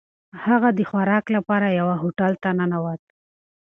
هغه د خوراک لپاره یوه هوټل ته ننووت.